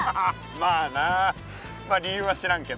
まあ理由は知らんけど。